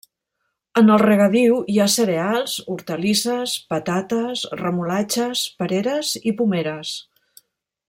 En el regadiu hi ha cereals, hortalisses, patates, remolatxes, pereres i pomeres.